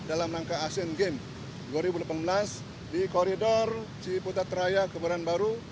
dalam langkah asean gimp dua ribu delapan belas di koridor ciputat raya keberanbaru